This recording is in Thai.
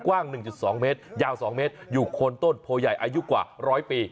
กว้าง๑๒เมตรยาว๒เมตรอยู่โคนต้นโพใหญ่อายุกว่า๑๐๐ปี